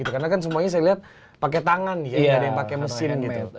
karena kan semuanya saya lihat pakai tangan ya nggak ada yang pakai mesin gitu